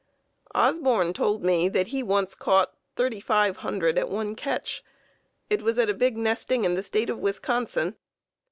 Osborn told me that he once caught 3,500 at one catch. It was at a big nesting in the State of Wisconsin.